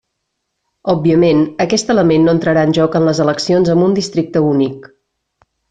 Òbviament, aquest element no entrarà en joc en les eleccions amb un districte únic.